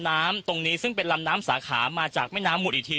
น้ำตรงนี้ซึ่งเป็นลำน้ำสาขามาจากแม่น้ำหุดอีกที